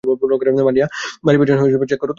মানিয়া, বাড়ির পিছনে চেক করো তো।